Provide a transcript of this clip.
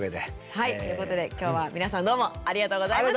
はいということで今日は皆さんどうもありがとうございました。